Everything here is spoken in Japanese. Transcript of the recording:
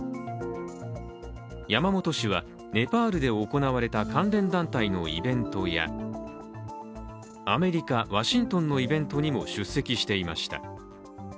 山本氏はネパールで行われた関連団体のイベントや、アメリカ・ワシントンのイベントにも出席していました。